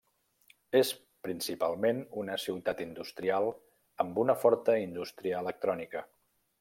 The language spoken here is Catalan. És principalment una ciutat industrial amb una forta indústria electrònica.